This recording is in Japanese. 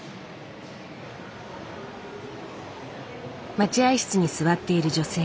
待合室に座っている女性。